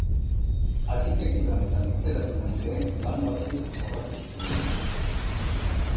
Arkitekturan eta literaturan ere lan batzuk jorratu zituen.